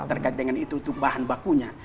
terkait dengan itu untuk bahan bakunya